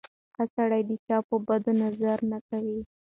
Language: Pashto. ښه سړی د چا په بدو نظر نه کوي.